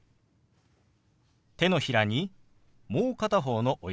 手のひらにもう片方の親指を当てます。